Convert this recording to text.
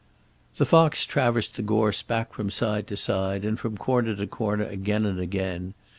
The fox traversed the gorse back from side to side and from corner to corner again and again.